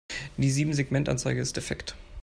Die Siebensegmentanzeige ist defekt.